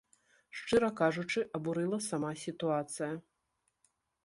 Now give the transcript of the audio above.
Шчыра кажучы, абурыла сама сітуацыя.